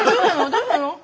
どうしたの？